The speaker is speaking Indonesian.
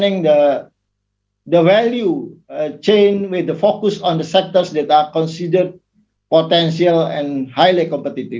yaitu pertama memperkuat jaringan nilai dengan fokus pada sektor yang dianggap potensial dan kompetitif